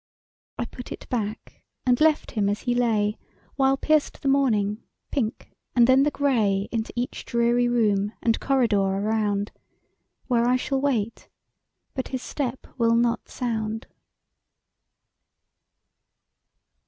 I put it back, and left him as he lay While pierced the morning pink and then the gray Into each dreary room and corridor around, Where I shall wait, but his step will not sound.